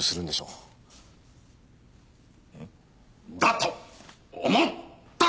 うん？だと思った！